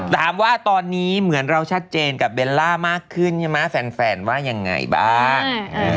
ถามว่าตอนนี้เหมือนเราชัดเจนกับเบลล่ามากขึ้นใช่ไหมแฟนว่ายังไงบ้าง